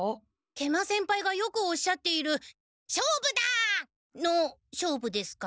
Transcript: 食満先輩がよくおっしゃっている「勝負だ！」の勝負ですか？